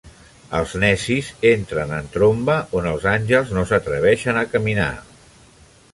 Els necis entren en tromba on els àngels no s'atreveixen a caminar.